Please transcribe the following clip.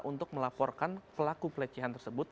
untuk melaporkan pelaku pelecehan tersebut